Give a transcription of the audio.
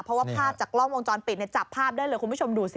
เพราะว่าภาพจากกล้องวงจรปิดจับภาพได้เลยคุณผู้ชมดูสิ